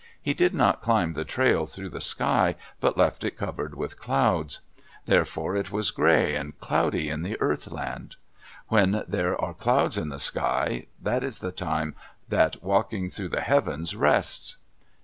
He did not climb the trail through the sky, but left it covered with clouds. Therefore it was gray and cloudy in the Earth Land. When there are clouds in the sky, that is the time that Walking through the Heavens rests.